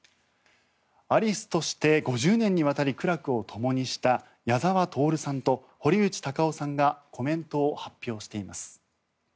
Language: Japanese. アリスとして５０年にわたり苦楽をともにした矢沢透さんと堀内孝雄さんがコメントを発表しています。